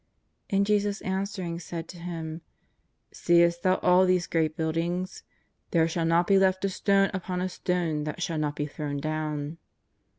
'' And Jesus answering said to him :" Seest thou all these great buildings ? There shall not be left a stone upon a stone that shall not be thro^vn down."